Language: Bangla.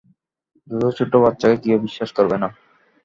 দুটো ছোট বাচ্চাকে কেউ বিশ্বাস করবে না।